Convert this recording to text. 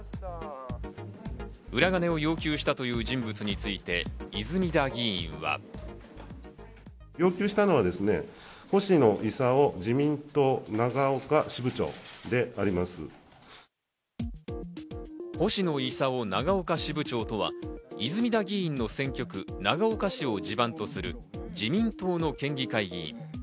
裏金を要求したという人物について泉田議員は。星野伊佐夫長岡支部長とは、泉田議員の選挙区、長岡市を地盤とする自民党の県議会議員。